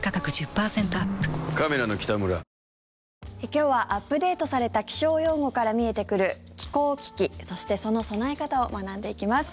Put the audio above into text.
今日はアップデートされた気象用語から見えてくる気候危機そしてその備え方を学んでいきます。